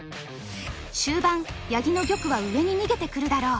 終盤八木の玉は上に逃げてくるだろう。